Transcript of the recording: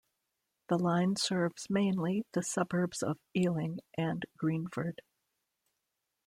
The line serves mainly the suburbs of Ealing and Greenford.